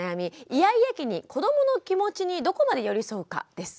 イヤイヤ期に子どもの気持ちにどこまで寄り添うかです。